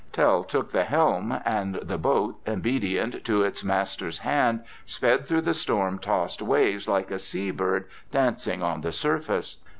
Tell took the helm, and the boat, obedient to its master's hand, sped through the storm tossed waves like a seabird dancing on the surface.